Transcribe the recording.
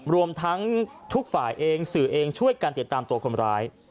รวมทั้งทุกฝ่ายเองสื่อเองช่วยกันติดตามตัวคนร้าย